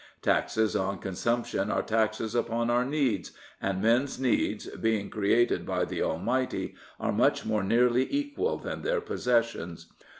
Taxes on consumption are taxes upon our needs, and men's needs, being created by the Almighty, are much more nearly equal than their possessions.